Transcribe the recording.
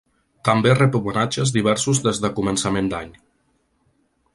També rep homenatges diversos des de començament d’any.